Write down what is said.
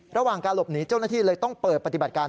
ระหว่างการหลบหนีเจ้าหน้าที่เลยต้องเปิดปฏิบัติการ